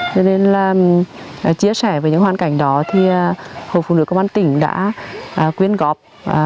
cho nên là chia sẻ với những hoàn cảnh đó thì hội phụ nữ công an tỉnh đã quyên góp